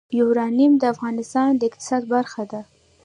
یورانیم د افغانستان د اقتصاد برخه ده.